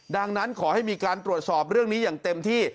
ดังนั้นขอให้มีการตรวจสอบเรื่องนี้อย่างเต็มที่